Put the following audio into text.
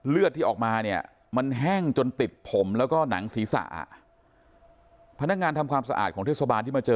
เลือดที่ออกมาเนี่ยมันแห้งจนติดผมแล้วก็หนังศีรษะพนักงานทำความสะอาดของเทศบาลที่มาเจอ